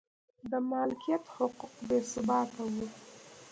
د مالکیت حقوق بې ثباته و